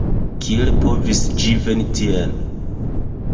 Kiel povis ĝi veni tien?